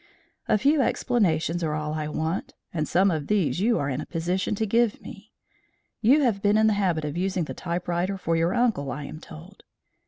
A few explanations are all I want, and some of these you are in a position to give me. You have been in the habit of using the typewriter for your uncle, I am told."